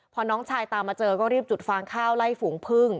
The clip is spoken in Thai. พอน้องชายตามมาเจอก็รีบจุดฟางข้าวไล่ฝูงพึ่ง